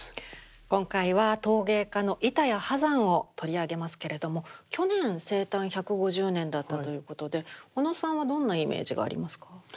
今回は陶芸家の板谷波山を取り上げますけれども去年生誕１５０年だったということで小野さんはどんなイメージがありますか？